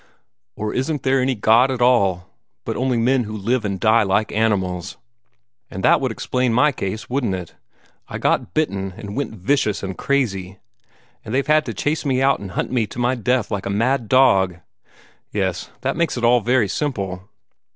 Or isn't there any God at all but only men who live and die like animals? And that would explain my case, wouldn't it? I got bitten and went vicious and crazy, and they've had to chase me out and hunt me to my death like a mad dog! Yes, that makes it all very simple.